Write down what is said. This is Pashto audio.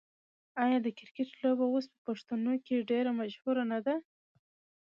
آیا د کرکټ لوبه اوس په پښتنو کې ډیره مشهوره نه ده؟